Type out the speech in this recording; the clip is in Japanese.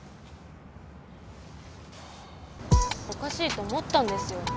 おかしいと思ったんですよ。